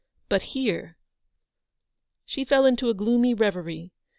But here— " She fell into a gloomy reverie.